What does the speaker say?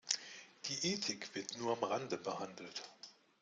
Die Ethik wird nur am Rande behandelt.